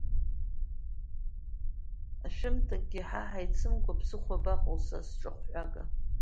Ашәымҭакгьы ҳа ҳаицымкәа, ԥсыхәа абаҟоу, са сҿахәҳәага!